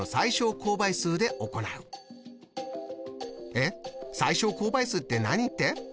えっ「最小公倍数って何」って？